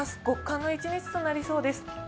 極寒の一日となりそうです。